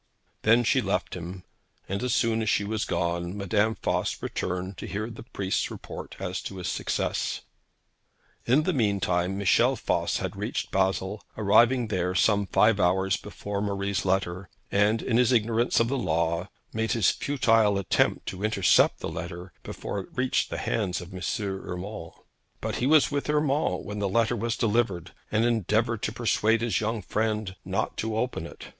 Then she left him, and as soon as she was gone, Madame Voss returned to hear the priest's report as to his success. In the mean time, Michel Voss had reached Basle, arriving there some five hours before Marie's letter, and, in his ignorance of the law, had made his futile attempt to intercept the letter before it reached the hands of M. Urmand. But he was with Urmand when the letter was delivered, and endeavoured to persuade his young friend not to open it.